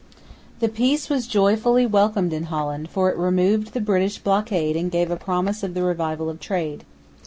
The peace was joyfully welcomed in Holland, for it removed the British blockade and gave a promise of the revival of trade.